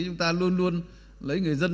chúng ta luôn luôn lấy người dân